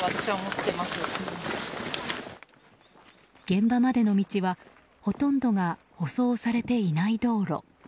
現場までの道はほとんどが舗装されていない道路。